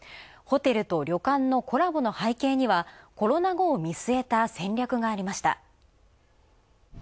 ホテルと旅館のコラボの背景にはコロナ後を見据えた戦略がありました。